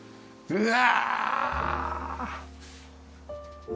うわ。